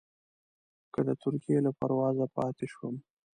که د ترکیې له پروازه پاتې شوم.